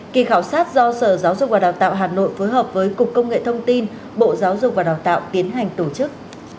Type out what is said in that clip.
kỳ khảo sát do sở giáo dục và đào tạo hà nội phối hợp với cục công nghệ thông tin bộ giáo dục và đào tạo tiến hành tổ chức